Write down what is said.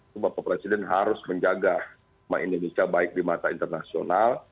cuma pak presiden harus menjaga nama indonesia baik di mata internasional